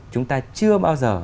chúng ta chưa bao giờ